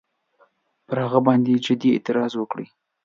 پر هغه باندي جدي اعتراض وکړي.